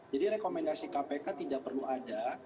jadi rekomendasi kpk tidak perlu ada